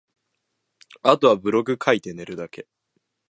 後はブログ書いて寝るだけ